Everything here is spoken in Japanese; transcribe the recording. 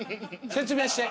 説明して。